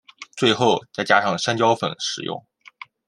最后再加上山椒粉食用。